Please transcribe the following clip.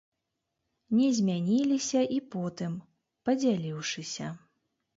Не змяніліся і потым, падзяліўшыся.